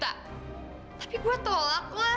tapi saya tolaklah